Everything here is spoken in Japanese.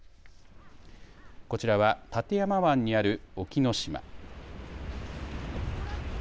こちらは館山湾にある沖ノ島。